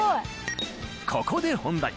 ［ここで本題］